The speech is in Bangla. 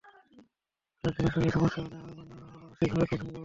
এদের কারও একজনের সঙ্গে সমস্যা হলে আমি মানসিকভাবে খুব ভেঙে পড়ি।